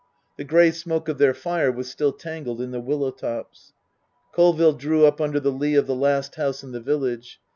The grey smoke of their fire was still tangled in the willow tops. Colville drew up under the lee of the last house in the village.